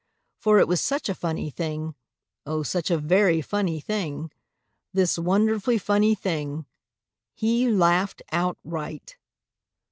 For it was such a funny thing, O, such a very funny thing, This wonderfully funny thing, He Laughed Outright.